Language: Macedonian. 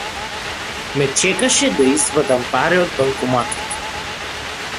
Ме чекаше да извадам пари од банкоматот.